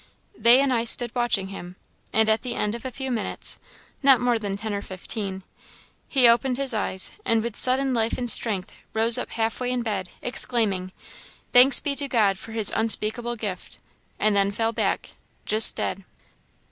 They and I stood watching him, and at the end of a few minutes, not more than ten or fifteen, he opened his eyes, and with sudden life and strength rose up half way in bed, exclaiming, 'Thanks to be God for his unspeakable gift!' and then fell back just dead."